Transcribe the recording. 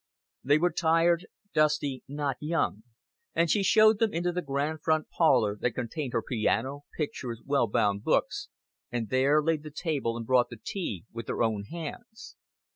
They were tired, dusty, not young; and she showed them into the grand front parlor that contained her piano, pictures, well bound books, and there laid the table and brought the tea with her own hands.